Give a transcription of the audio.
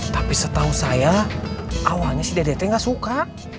tapi setahu saya awalnya si dede teh gak suka